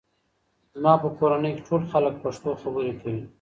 زما په کورنۍ کې ټول خلک پښتو خبرې کوي.